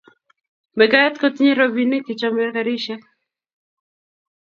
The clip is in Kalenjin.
mekat kotinye robinik che chomei karisiek